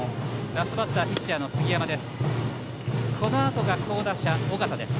ラストバッターピッチャーの杉山です。